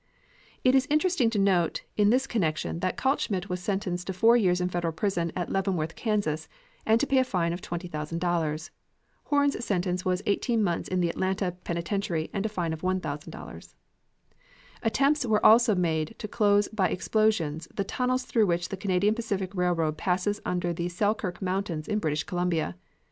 It is interesting to note in this connection that Kaltschmidt was sentenced to four years in the federal prison at Leavenworth, Kansas, and to pay a fine of $20,000. Horn's sentence was eighteen months in the Atlanta penitentiary and a fine of $1,000. Attempts were also made to close by explosions the tunnels through which the Canadian Pacific Railroad passes under the Selkirk Mountains in British Columbia.